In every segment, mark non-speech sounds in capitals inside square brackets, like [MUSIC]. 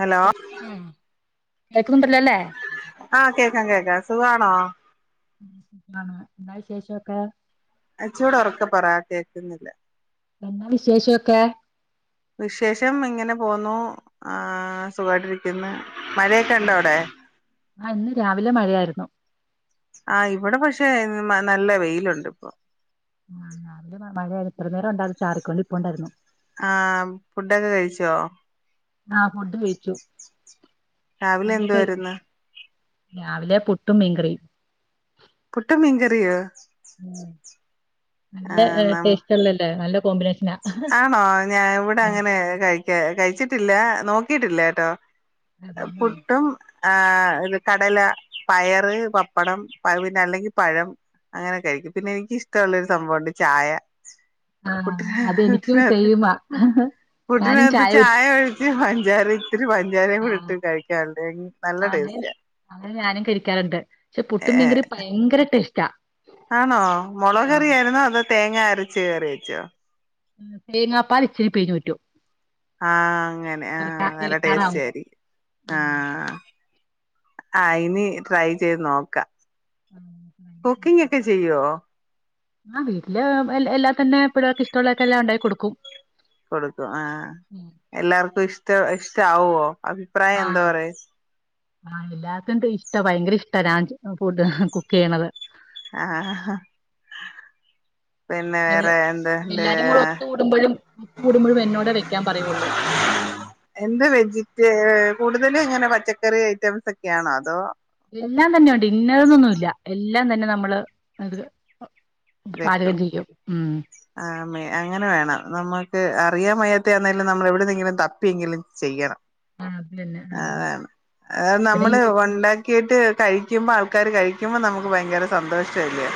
Hello ആഹ് കേൾക്കുന്നുണ്ടല്ലോല്ലേ ആഹ് കേൾക്കാം കേൾക്കാം സുഖാണ ആഹ് ആഹ് എന്നാ വിശേഷം ഒക്കെ കുറച്ചൂടെ ഉറക്കെ പറ കേൾക്കുന്നില്ല എന്നാ വിശേഷൊക്കെ വിശേഷം ഇങ്ങനെ പോന്നു ആ സുഖമായിട്ടിരിക്കുന്നു മഴയൊക്കെ ഇണ്ടോ ഉം അവിടെ ആഹ് ഇന്ന് രാവിലെ മഴയായിരുന്നു ആഹ് ഇവിടെ പക്ഷെ ഇന്ന് നല്ല വെയിലുണ്ട് ഇപ്പൊ ആഹ് രാവിലെ മഴയ ഇത്ര നേരം ഉണ്ടാും ചാറിക്കൊണ്ടിപ്പുണ്ടായിരുന്നു ആ ഫുഡൊക്കെ കഴിച്ചോ ആഹ് ഫുഡ് കഴിച്ചു രാവിലെ അങ്ങിട്ടു എന്തുവായിരുന്നു രാവിലെ പുട്ട് ട്ടും മീൻകറിയും പുട്ടും മീൻകറിയോ ഉം നല്ല ആഹ് നം ടേസ്റ്റ് ഉള്ളല്ലേ നല്ല കോമ്പിനേഷനാ ആണോ ഞാൻ ഇവിടെ അങ്ങനെ കഴി കഴിച്ചിട്ടില്ല നോക്കിട്ടില്ലാട്ടോ അതന്നെ പുട്ടും ആഹ് ഇത് കടല പയറ് പപ്പടം പിന്നെ അല്ലെങ്കിൽ പഴം അങ്ങനെ കഴിക്കും പിന്നെ എനിക്കിഷ്ടമുള്ളരു സംഭവമുണ്ട് ചായ ആഹ് പുട്ടിന് അതെനിക്കും പുട്ടിനകത്ത് സെയിംമാ ഞാനും ചായ ഞ്ചാര ആഹ് നല്ല ആഹ് അന്നേന്ന് ടേസ്റ്റാ അങ്ങനെ ഞാനും കഴിക്കാറുണ്ട് പക്ഷെ ഏ പുട്ടും മീൻകറിയം ഭയങ്കര ടേസ്റ്റ് റ്റാ ആണോ മുളകറിയായിരുന്നോ അതോ തേങ്ങ അരച്ച കയറി വച്ചോ തേങ്ങാപ്പാല്ല് ഇച്ചിനി പിഴിഞ്ഞുറ്റു ആഹ് അങ്ങനെ ആഹ് നല്ല ടേസ്റ്റ് ഇറക്കാറാവുമ്പോ ആയിരിക്കും ഉം ആഹ് ആഹ് ഇനി ട്രൈ ചെയ്ത് നോക്കാം കുക്കിംഗ്‌ ഒക്കെ ചെയ്യുവോ ആഹ് വീട്ടില് എല്ലാ തന്നെ എപ്പോഴാർക്ക് ഇഷ്ടമുള്ളൊക്കെ എല്ലാം ഉണ്ടാക്കി കൊടുക്കും കൊടുക്കും ആഹ് എല്ലാർക്കും ഇഷ് ഇഷ്ട്ട ഇഷ്ട്ടാവോ അഭിപ്രായം എന്താ പറയാ ആഹ് എല്ലാർക്കും ഇഷ്ടാ ഭയങ്കര ഇഷ്ടാ ഞാൻ ഫുഡ് കുക്ക് ചെയ്യണത് ആഹ് പിന്ന വേറെ എവിടെ- എന്ത്ണ്ട് എല്ലാരും കൂടെ ഒത്തു കൂടുമ്പോഴും ഒത്തു കൂടുമ്പോഴും എന്നോടെ വെക്കാൻ പറയുള്ളൂ എന്ത് വെജിറ്റേ കൂടുതലും ഇങ്ങനെ പച്ചക്കറി ഐറ്റംസ് ഒക്കെയാണോ അതോ എല്ലാം തന്നെയ ഉണ്ട് ഇന്ന തെന്നൊന്നും ഇല്ല എല്ലാം തന്നെ നമ്മള് അത് പാചകം വെക്കും ചെയ്യും ഉം ആമ്മേ അങ്ങനെ വേണം നമ്മുക്ക് അ അറിയാ മയ്യാത്തെ ആന്നേലും നമ്മൾ എവിടെുന്നെങ്കിലും തപ്പിയെങ്കിലും ചെയ്യണം ആഹ് അതെന്നെ ആഹ് പിന്നെ യൂ ക്കിട്ട് കഴിക്കുമ്പോ ആൾക്കാര് കഴിക്കുമ്പോ നമുക്ക് ഭയങ്കര സന്തോഷല്ലയോ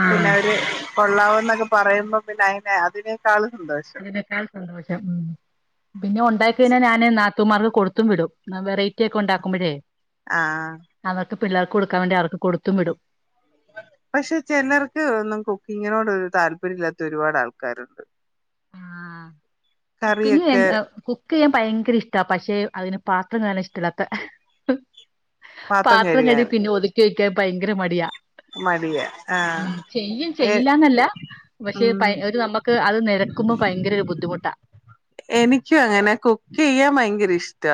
ആഹ് ന്നവര് കൊള്ളാവുന്നൊക്കെ പറയുമ്പോ പിന്നെ അതിനെ അതിനേക്കാളും സന്തോഷം അതിനേക്കാൾ സന്തോഷം പിന്നെ ഒണ്ടാക്കികഴിഞ്ഞാൽ ഞാന് നാ ത്തൂമാർക്ക് കൊടുത്തും വിടും വെറൈറ്റി ഒക്കെ ഉണ്ടാക്കുമ്പോഴേ ആ അവർക്ക് പിള്ളേർക്ക് കൊടുക്കാൻ വേണ്ടി അവർക്ക് കൊടുത്തും വിടും പക്ഷെ ചെലർക്ക് ഒന്നും കുക്കിങ്ങിനോടൊരു താല്പര്യം ഇല്ലാത്ത ഒരുപാട് ആൾക്കാരുണ്ട് കുക്കിംങ് എ കറിയൊക്കെ കുക്ക് കുക്ക് ചെയ്യാൻ ഭയങ്കര ഇഷ്ടാ പക്ഷെ അതിന് പാത്രം കഴുകാൻ ഇഷ്ടല്ലാത്ത പാത്രം കഴുകി പിന്നെ ഒതു ക്കി വെയ്ക്കാൻ ഭയങ്കര മടിയാ മടിയാ ആഹ് ഉം ചെയ്യും ഏ ചെയ്യില്ലന്നെല്ല പക്ഷെ ഉം ഒരു നമുക്ക് അത് നെരക്കുമ്പോ ഭയങ്കര ഒരു ബുദ്ധിമുട്ടാ എനിക്കും അങ്ങനെ കുക്ക് ചെയ്യാൻ ഭയങ്കര ഇഷ്ടാ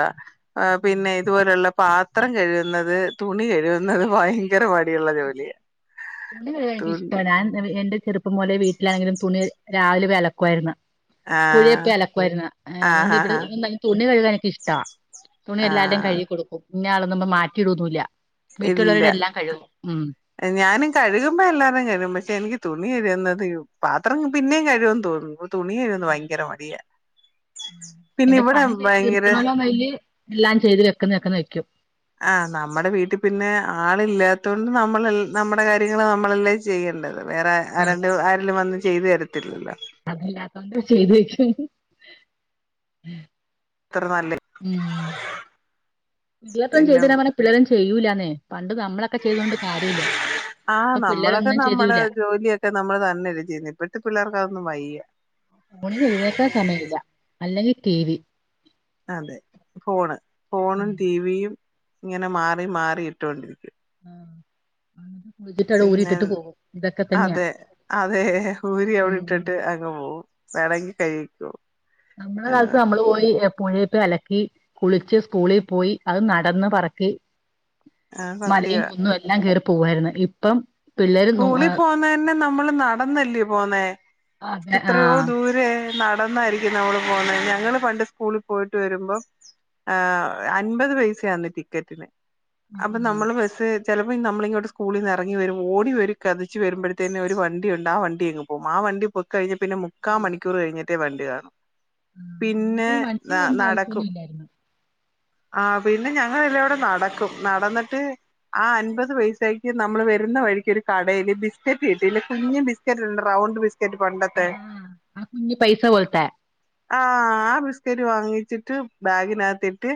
ആ ഉം പിന്നെ ഇതുപോലെയുള്ള പാത്രം കഴുകുന്നത് തുണി കഴുകുന്നത് ഭയങ്കര മ മടിയുള്ള ജോലിയാ തുണി കഴുകാൻ എനിക്ക് തുണി ഇഷ്ടാ ഞാൻ [UNINTELLIGIBLE] എന്റെ ചെറുപ്പം മുതലെ വീട്ടിലാണെങ്കിലും തുണി രാവിലെ പോയി അലക്കുവായിരുന്നു. പുഴയി ആഹ് പോയി അലക്കുവായിരുന്നു ആഹ് അതുകൊണ്ട് ഇവിടെ ആഹ് തുണി കഴുകാൻ എനിക്ക് ഇഷ്ട തുണി എല്ലാവരുടെയും ആഹ് കഴുകികൊടുക്കും. ഇന്നയാള്ന്ന് പറഞ്ഞു മാറ്റിയിടൊന്നുല്ല ഇല്ല വീട്ടിലുള്ളവരുടെ എല്ലാം കഴുകും ഉം ഞാനും കഴുകുമ്പോ എല്ലാരേം കഴുകും പക്ഷെ എനിക്ക് തുണി കഴുകുന്നത് പാത്രം പിന്നേം കഴുകാൻ തോന്നും പിന്നെ ഇവിടെ പണി ചെയ്തു ഭയങ്കര തീർക്കണല്ലോന്നയില് എല്ലാം ചെയ്തു വെ [UNINTELLIGIBLE] ആ നമ്മുടെ വീട്ടിൽ പിന്നെ ആളില്ലാത്ത കൊണ്ട് നമ്മൾ നമ്മുടെ കാര്യങ്ങള് നമ്മളെല്ലാം ചെയ്യേണ്ടത് വേറെ ആ രണ്ട് ആരേലും വന്ന് ചെയ്തു തര തരില്ലല്ലോ അങ്ങനെ ചെയ്ത് വെക്കും അത്ര നല്ല ഉം പിള്ളേപ്പം ചെയ്ത് പിന്നെ തരാൻ പറഞ്ഞാ പിള്ളേരൊന്നും ചെയ്യൂലാന്നേ പണ്ട് നമ്മളൊക്കെ ചെയ്ത കൊണ്ട് കാര്യമില്ല ആഹ് ഇപ്പം നമ്മളൊക്കെ പിള്ളേരൊന്നും നമ്മടെ ചെയ്യൂല ജോലിയൊക്കെ നമ്മള് തന്നെയല്ലേ ചെയ്യുന്നെ ഇപ്പഴത്തെ പിള്ളേർക്ക് അതൊന്നും വയ്യ ഫോണിന് എഴുന്നേക്കാൻ സമയമില്ല അല്ലെങ്കിൽ ടി വി അതെ ഫോണ് ഫോണും ടിവിയും ഇങ്ങനെ മാറി മാറി ഇട്ടോണ്ടിരിക്കും ആഹ് എന്നിട്ട് കുളിച്ചിട്ട് അവിടെ ഊരി പിന്നെ ഇട്ടിട്ട് പോകും ഇതൊക്കെ തന്നെയാ അതെ അതെ ഊരി അവിടെ ഉം ഇട്ടിട്ട് അങ് പോകും വേണങ്കി കഴിക്കോ നമ്മളെ എന്ന് കാലത്ത് പറഞ്ഞ് നമ്മള് പോയി പുഴെ അലക്കി കുളിച്ച് സ്കൂളി പോയി അത് നടന്ന് പറക്കി അത് മലയും സത്യവാ കുന്നും എല്ലാം കേറി പോവായിരുന്നു ഇ സ്കൂളിൽ പോന്ന തന്നെ നമ്മള് നടന്നല്ലേ പോന്നെ ആഹ് എത്രയോ ആഹ് ദൂരെ നട നടന്നായിരിക്കും നമ്മള് പോന്നെ ഞങ്ങള് പണ്ട് സ്കൂളിൽ പോയിട്ട് വരുമ്പോം അൻപത് പൈസ ആന്ന് ടിക്കറ്റിന് ആ അപ്പൊ ആ നമ്മള് ബസ് ചിലപ്പോ നമ്മലിങ്ങോട്ട് സ്കൂളി ന്ന് എറ ങ്ങി ഓടി വരും കെതച്ചു വരുമ്പോഴത്തേന്നെ ഒരു വണ്ടിയുണ്ട് ആ വണ്ടിയങ്ങ് പോകും ആ വണ്ടി പൊക്കഴിഞ്ഞ പിന്നെ മുക്കാ മണിക്കൂർ കഴിഞ്ഞെ മറ്റേ വണ്ടി കാണും പിന്നെ എനിക്ക് വണ്ടി നടക്കും ആവശ്യമൊന്നുല്ലായിരുന്നു ആ പിന്നെ ഞങ്ങളെല്ലടെ നടക്കും നടന്നിട്ട് ആ അൻപത് പൈസക്ക് നമ്മൾ വേ ഴുന്ന വഴിക്ക് ഒരു കടയിയില് ബിസ്ക്കറ്റ് കിട്ടില്ല കുഞ്ഞ് ബിസ്ക്കറ്റ്ണ്ട് റൗണ്ട് ബിസ്ക്കറ്റ് ആ പണ്ടത്തെ ആ അ പൈസ പോലത്തെ ആഹ ആ ബിസ്കറ്റ് വാങ്ങിച്ചിട്ട് ബാഗിനകത്തിട്ട്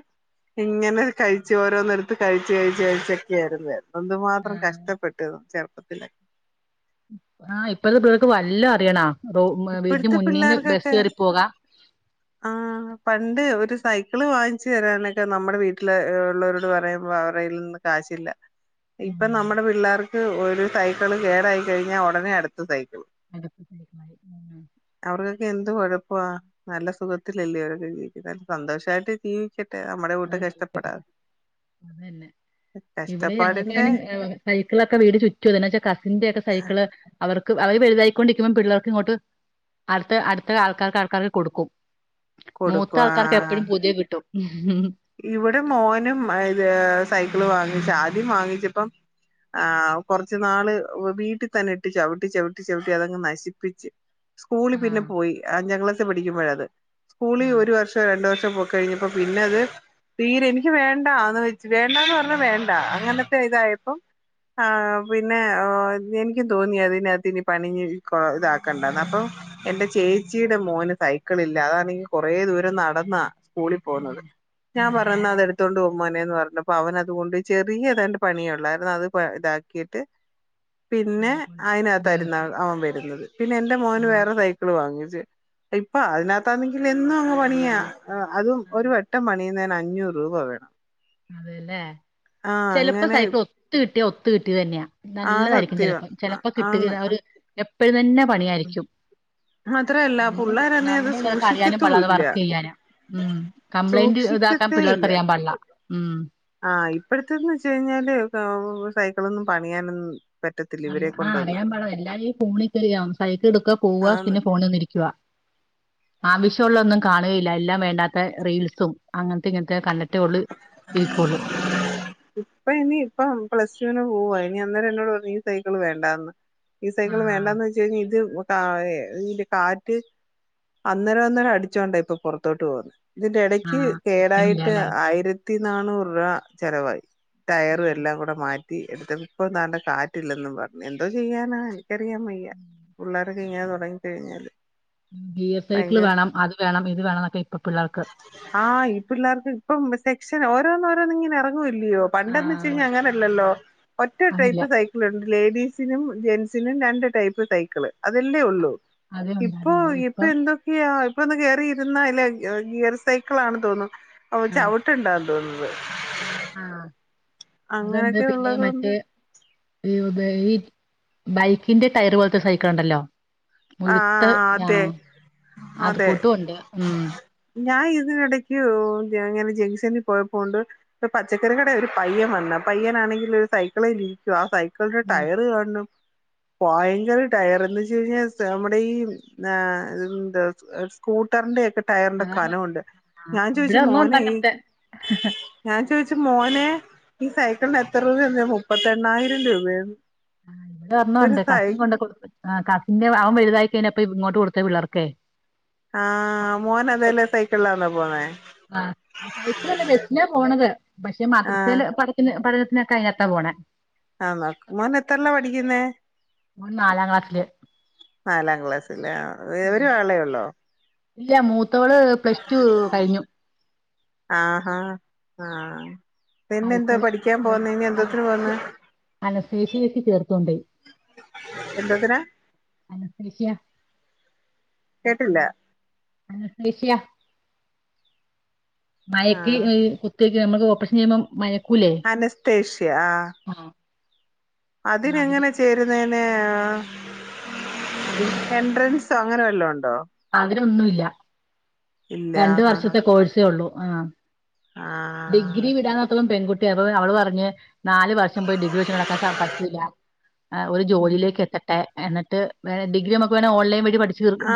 ഇങ്ങനെ കഴിച്ച ഓരോന്ന് എടുത്ത് കഴിച്ച് കഴിച്ച് കഴിച്ചക്കെ ആയിരുന്നു എന്ത് ആ മാത്രം കഷ് ട്ടു ചെറുപ്പത്തില് ആ ഇപ്പഴത്തെ പിള്ളേർക്ക് വല്ല അറിയണാ റോ വീടിന് ഇപ്പഴത്തെ മുന്നിന്ന് ബസ് കയറി പോകാം ആഹ പണ്ട് ഒരു സൈക്കിള് വാങ്ങിച്ചു തരാനൊക്കെ നമ്മുടെ വീട്ടില് ഉള്ളവരോട് പറയുമ്പോ അവരെലൊന്നും കാശില്ല ഇപ്പൊ ഉം. നമ്മുടെ പിള്ളേർ ത്ത് ഒരു സൈക്കിള് കേടായി കഴിഞ്ഞാൽ ഉടനെ അടുത്ത സൈക്കിൾ [INAUDIBLE] അവർക്കൊക്കെ എന്ത് കുഴപ്പവ നല്ല സുഖത്തിലല്ലേവരൊക്കെ ജീവിക്കുന്ന സന്തോഷായിട്ട് ജീവിക്ക ആ അതന്നെ ഇവിടെ കഷ്ടപ്പാടിന്റെ ഞങ്ങൾക്കും സൈക്കിളൊക്കെ വീട് ചുറ്റുവ എന്ന വച്ചാ കസിന്റെറെ ഒക്കെ സൈക്കിള് അവർക്ക് അവര് വലുതായിക്കൊണ്ടിരിക്കുമ്പം പിള്ളേർക്ക് ഇങ്ങോട്ട് അടുത്ത അടുത്ത ആൾക്കാർക്ക് ആൾക്കാർക്ക് കൊടുക്കും മൂത്ത കൊടുക്വാ ആൾക്കാർക്ക് എപ്പഴും പുതിയ കിട്ടും ഉം ഉം ഇവിടെ മോനും ഇത് സൈക്കിള് വാങ്ങിച്ച ആദ്യം വാങ്ങിച്ചപ്പം ആ കുറച്ചു നാള് വീട്ടിൽ തന്നെ ഇട്ട് ചവിട്ടി ചവിട്ടി ചവിട്ടി അതങ്ങ് നശിപ്പിച്ച് സ്കൂളി ആ പിന്നെ പോയി ആ ഞങ്ങള് [UNINTELLIGIBLE] പഠിക്കുമ്പോഴത് സ്കൂളിൽ ആ ഒരു വർഷം രണ്ടു വർ [UNINTELLIGIBLE] പോക്ക് കഴിഞ്ഞപ്പം പിന്നെ അത് തീരെ എനിക്ക് വേണ്ട [UNINTELLIGIBLE] വെച്ച് വേണ്ടാന്ന് പറഞ്ഞാ വേണ്ട അങ്ങനത്തെ ഇതായപ്പം ആ പിന്നെ എനിക്കും തോന്നി അതിനാത്ത് ഇനി പണിഞ്ഞ് കൊ ഇതാക്കണ്ട അപ്പൊ എന്റെ ചേ ച്ചിയുടെ മോന് സൈക്കിള് ഇല്ല അതാണെങ്കി കൊറെ ദൂരം നടന്നാ സ്കൂളി ഉം പോവുന്നത് ഞാൻ ഉം പറയുന്ന അതെട് ത്തൊണ്ട് പോ മോനെ ന്ന് പറഞ്ഞപ്പൊ അവൻ അതുകൊണ്ടയി ചെറിയതാണ്ട് പണിയൊള്ളാരുന്നു അത് പ്പൊ ഇതാക്കിയിട്ട് പിന്നെ ഞാകൊണ്ട് അതിനകത്തായിരുന്ന ഉപയോഗിച്ചു അവൻ വരുന്നത് പിന്നെ എന്റെ മോന് ആഹ് വേറെ സൈക്കിള് വാങ്ങി ഇപ്പൊ അതിനകത്താന്നെങ്കിൽ എന്നും അങ്ങ് പണിയാ ആ അതും ഒരു ആഹ് വട്ടം പണി യാൻ അഞ്ഞൂറ് രൂപ വേണം അതേല്ലേ ആഹ് ചെലപ്പ അങ്ങനെ സൈക്കിൾ ഒത്ത് കിട്ടിയാ ഒത്ത് കിട്ടിയത് തന്നെയാ ആ നല്ലതായിരിക്കും സത്യവാ ചെലപ്പം ചെലപ്പോ കിട്ടുക ആന്ന് ആ ഒര് എപ്പഴും തന്നെ പണിയായിരിക്കും മാത്രല്ല നമ്മ പുള്ളേരന്നെ അത് നമ്മുടെ പിള്ളേർക്ക് അറിയാനും സൂക്ഷിക്കത്തും പാടിള്ള അത് ഇല്ല വർക്ക് ചെയ്യാന് കംപ്ലൈന്റ് ഇതാക്കാൻ സൂക്ഷിക്കത്തേ പിള്ളേർക്ക് ഇല്ല അറിയാൻ പാടിള്ള ഉം ആഹ് ഇപ്പഴത്തെന്ന് വെച്ച് കഴിഞ്ഞാല് സൈക്കിളൊന്നും പണിയാനൊ അറിയ ആ അറിയാം പാട എല്ലാരും ഈ ഫോണിൽ [UNINTELLIGIBLE] യാ സൈക്കിൾ എടുക്ക പോവാ ആന്ന് പിന്നെ ഫോണിൽ ഒന്നിരിക്കുവ ആവശ്യവുള്ള ഒന്നും കാണുകയില്ല എല്ലാം വേണ്ടാത്ത റീൽസും അങ്ങനത്തെ ഇങ്ങനത്തെ കണ്ട് റ്റേ ഒള്ള് ഇരിക്കുവൊള്ളൂ ഇപ്പ ഇനി ഇപ്പ പ്ലസ്റ്റുവിന് പോവാ ഇനി അന്നേരം എന്നോട് പറഞ്ഞു ഈ സൈക്കിള് വേണ്ടാന്ന് ഈ സൈക്കിള് വേണ്ട ആഹ് എന്ന് വെച്ച് കഴിഞ്ഞാ ഇത് കാ എ ഇയിൻ്റെ കാറ്റ് അന്നേരം അന്നേരം അടിച്ചോണ്ട ഇപ്പൊ പുറത്തോട്ട് പോന്ന് ഇതിന്റെ ഇടയ്ക്ക് ആഹ് നിക്കണില്ല കേടായിട്ട് അല്ലേ ആയിര ത്തിനാനൂറ് രുവ ചെലവായി ടയറും ആഹ് എല്ലാം കൂടെ മാ റ്റി എടുത്ത ഇപ്പൊ താണ്ടെ കാറ്റില്ലെന്നും പറഞ്ഞ് എന്തോ ചെയ്യാനാ ഇക്കറിയാൻ വയ്യ പുള്ളേർ ഇത് ഇങ്ങനെ തുടങ്ങി കഴിഞ്ഞാല് ബിയർ സൈക്കിള് വേണം അത് വേണം ഇത് വേണം ഇപ്പൊ പിള്ളർക്ക് ആഹ് ഈ പിള്ളേർക്ക് ഇപ്പം സെക്ഷൻ ഓരോന്ന് ഓരോന്ന്ങ്ങനെ എറക്കുവല്ലേ പണ്ടന്ന് വെച്ച് ആഹ് കഴിഞ്ഞാ അങ്ങനെ അല്ലല്ലോ ഒറ്റ അതില്ല ടൈപ്പ് സൈക്കിള് ലേഡീസിനും ജെന്റ്സിനും രണ്ട് ടൈപ്പ് സൈക്കള് അതെല്ലേ ഒള്ളൂ അതേ ഇപ്പൊ ഉണ്ടായിരുന്നുള്ളൂ ഇപ്പൊ ഇപ്പം എന്തൊക്കെയ പ്പൊന്ന് കയറി ഇരുന്ന അല്ല ഗിയർ സൈക്കിളാണെന്ന് തോന്നു ഓ ആഹ് ചവിട്ട് ണ്ടാവ ന്ന് ആ അതണ്ട് പിന്നെ ഉള്ളത് കൊണ്ട് മറ്റേ [UNINTELLIGIBLE] ഈ ബൈക്കിന്റെ ടയറ് പോലത്ത സൈക്കളുണ്ടല്ലോ ആ ഉഴുത്ത ആ അതെ അത് അതെ കൂട്ടുണ്ട് ഉം ഞാൻ ഇതിനിടക്ക് ഇങ്ങനെ ജംഗ്ഷനില് പോയപ്പോണ്ട് പച്ചക്കറി കട ഒരു പയ്യൻ വന്ന പയ്യനാണെങ്കില് ഒരു സൈക്കിളെ ഇരിക്കുവാ സൈ [UNINTELLIGIBLE] ഉം ടയറ് കാണണം ബയങ്കര ടയറ് ന്ന് വെച്ച് കഴിഞ്ഞാ നമ്മുടെ ഈ ആ എന്താ സ്കൂട്ടറിന്റെ ഒ ടയറിന്റെ അതാണ് കനവുണ്ട് ആഹ് ഞാൻ ഇവിടെ ചോയ്ച്ചു ഒന്നും ഉണ്ട് മോനെ ഈ അങ്ങനത്തെ ഞാൻ ചോയ്ച്ചു മോനെ ഈ സൈക്കിളിന് എത്ര രൂപയ്ണ്ട് മുപ്പത്തി എണ്ണായിരം രൂപയാണ് ഇവിടെ ഒരു ഒന്ന്ണ്ട് സൈ കസിൻ കൊണ്ട് കൊടുത്ത് കസിന്റെ വലുതായി കഴിഞ്ഞപ്പം ഇങ്ങോട്ട് കൊടുത്ത് പിള്ളേർകെ ആ മോന് അതേല്ല സൈക്കിളിലാ ന്നേ പോന്നേ ആ സൈകളല്ല ബെസിനാ പോണത് പക്ഷെ ആ മാതൃസയില് പഠ പട [UNINTELLIGIBLE] ആന്നാ മോന് എത്ര ല്ലാ പഠിക്കുന്നേ ഓൻ നാലാം ക്ലാസ്സില് നാലാം ക്ലാസ്സിലാ എവര് ആള്ളെയേള്ളോ ഇല്ല മൂത്ത മൂത്തോള് പ്ലസ് ടു കഴിഞ്ഞു ആ ഹാ ആ പിന്നെ എന്താ അയ്ക്കോളും [UNINTELLIGIBLE] പഠിക്കാൻ പോന്നേ ഇനി എന്തോത്തിന് പോന്ന് എന്തോത്തിനാ കേട്ടില്ല അനഷെഷ്യ ആ മയക്കി കുത്ത നമ്മക്ക് ഓപ്പറേഷൻ ചെയ്യുമ്പം മയ അനസ്തേഷ്യ ആ അതിന് അതിനെങ്ങനെ ചേരുന്നെ ഏ അതിന് എൻട്രൻസാ അങ്ങനെ വല്ലം ഉണ്ടോ അതിനൊന്നുല്ല ഇല്ല രണ്ട് ആ വർഷത്തെ കോഴ്സേ ഉള്ളൂ ആ ആ ഡിഗ്രി വിടാനത്തോളം പെൺകുട്ടി അ അവള് പറഞ് നാല് വർഷം പോയി ഡിഗ്രി വെച്ച് നടക്കാൻ സ പറ്റൂല്ല ഒരു ജോലിയിലേക്ക് എത്തട്ടെ എന്നിട്ട് വേണേ ഡിഗ്രി നമക്ക് വേണേ ഓൺലൈൻ വഴി പ ആ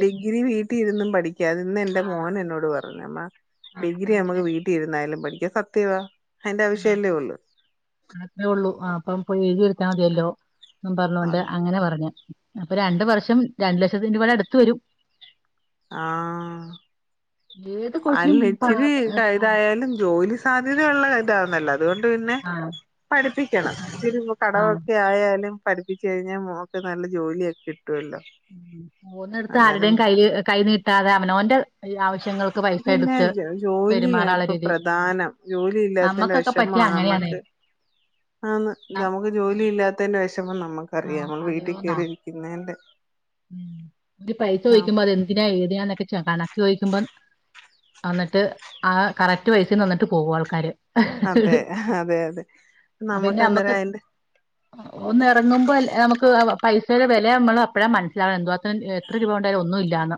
ഡിഗ്രി വീട്ടി ഇരുന്നും പഠിക്കാ അതിന്ന് എ ന്റെ ആഹ് മോൻ എന്നോട് പറഞ്ഞു മ്മ ആഹ് ഡിഗ്രി നമുക്ക് അങ്ങനെ വീട്ടില ഇരുന്നായാലും പടി അ സത്യവാ അതിന്റെ ആവശ്യല്ലേ ഉള്ളൂ ആ അത്രേ ഉള്ളൂ ആഹ പ്പം പോയി എഴുതി എടു ത്താ മതിയല്ലോ എന്നും പറഞ്ഞോണ്ട് അതെ അങ്ങനെ പറഞ്ഞു അപ്പൊ രണ്ട് വർഷം രണ്ടു ലക്ഷത്തി രൂപടെ അടുത്ത് വരും ആഹ ഏത് കോഴ്സിനും അല്ല പ- ഇച്ചിരി പ- ആ ഇതായാലും ജോലി സാധ്യതയള്ള ഇതാ നല്ല അതുകൊണ്ട് പിന്നെ ആ പഠിപ്പിക്കണം ഇത്തിരി ആ കടവൊക്കെ ആയാലും പഠിപ്പിച്ച് കഴിഞ്ഞാൽ മോക്ക്‌ നല്ല ജോലിയൊക്കെിട്ടും മൂന്നടുത്ത് ആരുടെയും കയ് കൈ നീട്ടാതെ അവനോവന്റെ ആവശ്യങ്ങൾക്ക് പൈ പിന്നെ ജോലിയ ഇപ്പൊ പ്രധാനം ജോലി ഇല്ലാത്തന്റെ നമ്മക്കൊക്കെ വിഷമ പറ്റിയ അങ്ങനെയാണേ നമ്മുക്ക് ആന്ന് നമുക്ക് ജോലി ഇല്ലാത്തന്റെ വിഷ മം ആ നമ്മുക്കറിയാം നമ്മൾ വീട്ടിൽ അതെയോന്നാ കേറി ഇരിക്കുന്നേൻറെ ഉം പൈസ ചോിക്കുമ്പോ അതെന്തിനാ ഏതിനാന്നൊക്കെ ച്ച കണ ചോദിക്കുമ്പം എന്നിട്ട് ആ കറക്റ്റ് പൈസ തന്നിട്ട് പോകും ആൾക്കാര് അതെ അതെ അതെ നമുക്ക് പിന്നെ നമ്മക്ക് അന്നേരം അയിന്റെ ഒന്ന ഇറങ്ങുമ്പോ അല്ല നമുക്ക് പൈസയുടെ വില നമ്മൾ അപ്പോഴാ മന [INAUDIBLE] എത്ര രൂപ ഉണ്ടായാലും ഒന്നും ഇല്ലാന്ന്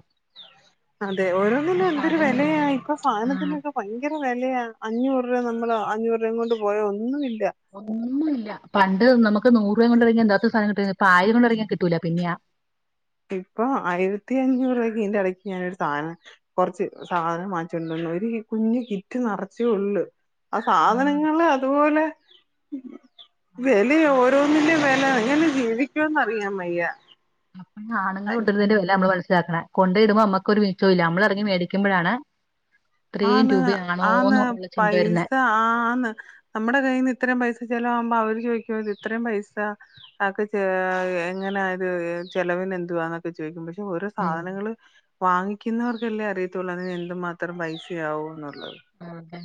അതെ ഓരോന്നിനും ഒരു എന്തൊരു സാധനം വേലയാ മേടിക്കാന് ഇപ്പൊ ഉം സാധനത്തിനൊക്കെ ഭയങ്കര വെലയാ അഞ്ഞൂറ് രൂപ നമ്മള് അഞ്ഞൂറ ഉം കൊണ്ട് പോയ ഒന്നും ഇല്ല ഒന്നുമില്ല പണ്ട് നമക്ക് നൂറു രൂപ കൊണ്ട ഇറങ്ങാ എന്താത്തെ സാധം കിട്ട ഇപ്പ ആയിരം കൊണ്ട ഇറങ്ങിയൻ കിട്ടൂല പിന്നെ ഇപ്പൊ ആയിരത്തി അഞ്ഞൂറക്ക് ഇന്റെ ഇടയ്ക്ക് ഞാനൊരു സാധനം കൊറച്ച് സാധനം വാങ്ങിച്ചിണ്ടിന്നു ഒരു കുഞ്ഞ് കിറ്റ് നിറചെള്ളു ആ സാധനങ്ങള് അതുപോലെ- ഉം അതെ വിലയ ഓരോന്നിന്റെ വില അങ്ങനെ ജീവിക്കോന്ന്റിയാം വയ്യ ആണുങ്ങൾണ്ടിന്നന്റെ വെലനമ്മ താക്ക്ണെ കൊണ്ട് ഇടുമ്പോൾ നമ്മക്കൊരു [UNINTELLIGIBLE] ഇല്ല നമ്മളെറങ്ങി മേടിക്കുമ്പോഴാണ് ഇത്രയും ആന്ന് ആന്ന് രൂപയാണോന്ന് ഉള്ള ചിന്ത വരുന്നെ പൈസ ആന്ന് നമ്മടെ കയ്യിൽ നിന്ന് ഇത്രയും പൈസ ചെിലവകുമ്പോ അവര് ചോദിക്കുമ്പോത് ഇത്രയും പൈസ ആക്കെ എങ്ങനെയത് ചെലവിന് എന്തുവാന്നൊക്കെ ചോദിക്കുമക്ഷേ, പ ഓരോ ഉം സാധനങ്ങള് വാങ്ങിക്കുന്നവർക്കല്ലേ അറിയത്തുള്ളൂ അതിന് എന്തു മാത്രം പൈ [UNINTELLIGIBLE] അതെ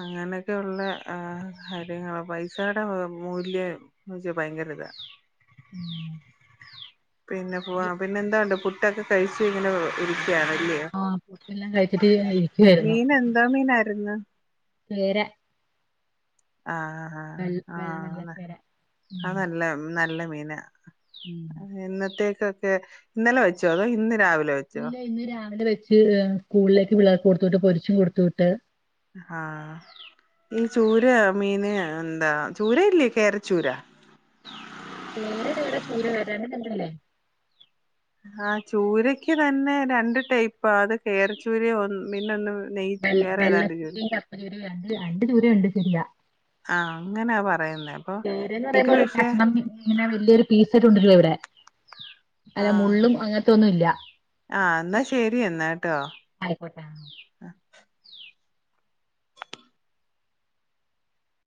അങ്ങനെ ഒക്കെയുള്ള ആഹ് കാര്യങ്ങ പൈസയുടെ മൂല്യം എന്ന് വച്ചാൽ ഭയങ്കര ഇതാ ഉം പിന്നെ പോ പിന്നെ എന്താണ്ട് ഇട്ടൊക്കെ കഴിച്ചച്ച് ഇങ്ങനെ ഇരിക്കയാണല്ലേ ആഹ് പുട്ടല്ലാം കഴിച്ചിട്ടി ഇര് മീ നന്ദ മീന ന്ന വേരാ ആഹ് വെ ആഹ് വെള്ള ആഹ് വെള്ളക്കര പിന എന്നത്തെ ക്കെ ഇന്നലെ വെച്ചോ അതോ ഇന്ന് രാവി ഇല്ല ഇന്ന് രാവിലെ വെ ക്ക് സ്കൂളിലേക്ക് പിളേർക്ക് കൊടുത്തുട്ട് പൊരിച്ചും കൊടുത്ത് വിട്ട് ആഹ് ഈ ചൂര മീന് എന്താ ചൂര ഇല്ലേ കേരചൂരാ കേര വേറെ ചൂര വേറെ രണ്ടു രണ്ടല്ലേ ആ ചൂരക്ക് തന്നെ രണ്ട് ടൈപ്പാ അത് കേരച്ചൂര ഒ പിന്ന ഒന്ന് നെയ് വെ വേറെ ഏതാണ്ട് ചൂര വെള്ളച്ചൂര കപ്പ ചൂരണ്ട് അന്റെ ചൂര ഇണ്ട് [UNINTELLIGIBLE] ആഹ് അങ്ങനാ പറയുന്നേ അപ്പൊ പേരെന്ന് ഇത് പറയുമ്പോ പക്ഷെ ഒരുകഷ്ണം മീൻ ഇങ്ങനെ വലിയൊരു പീസ് എടു [UNINTELLIGIBLE] വരും ഇവിടെ അല്ല ആഹ്, മുള്ളും അങ്ങനത്തെ ഒന്നും ഇല്ല ആഹ് എന്നാ ശരി എന്നാട്ടോ ആയിക്കോട്ടെ